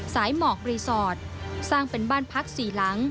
หมอกรีสอร์ทสร้างเป็นบ้านพักสี่หลัง